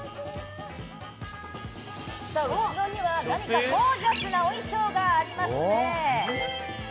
後ろにはゴージャスなお衣装がありますね。